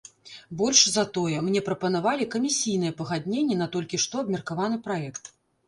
Больш за тое, мне прапанавалі камісійнае пагадненне на толькі што абмеркаваны праект.